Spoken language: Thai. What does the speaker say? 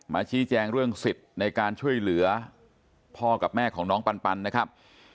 ชี้แจงเรื่องสิทธิ์ในการช่วยเหลือพ่อกับแม่ของน้องปันนะครับ